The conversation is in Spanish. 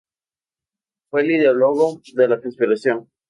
Fue el ideólogo de la conspiración.